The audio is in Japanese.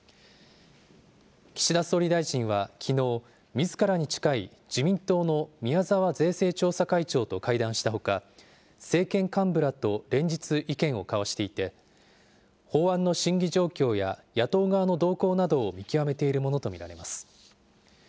岸田総理大臣は、きのう、みずからに近い自民党の宮沢税制調査会長と会談したほか、政権幹部らと連日、意見を交わしていて、法案の審議状況や野党側の動向などを見極めているものと見られます。